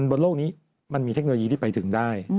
บนโลกนี้มันมีเทคโนโลยีที่ไปถึงได้